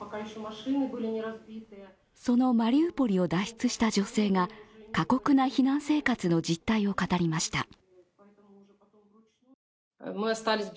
そのマリウポリを脱出した女性が過酷な避難生活の実態を語りました。